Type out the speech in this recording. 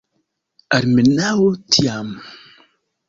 Almenaŭ tiam.